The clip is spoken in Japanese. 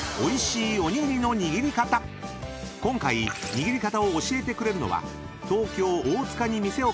［今回握り方を教えてくれるのは］